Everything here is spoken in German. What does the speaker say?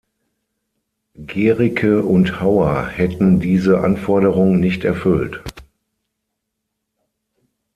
Gericke und Hauer hätten diese Anforderung nicht erfüllt.